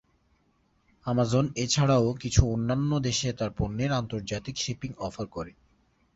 Amazon এছাড়াও কিছু অন্যান্য দেশে তার পণ্যের আন্তর্জাতিক শিপিং অফার করে।